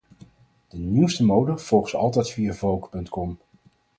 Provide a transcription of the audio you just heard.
De nieuwste mode volgt ze altijd via Vogue.com.